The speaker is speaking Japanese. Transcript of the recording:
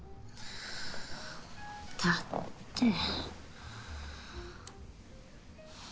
だって。